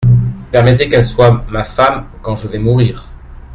Permettez qu'elle soit ma femme quand je vais mourir.